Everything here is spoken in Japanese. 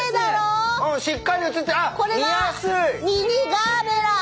これがミニガーベラ。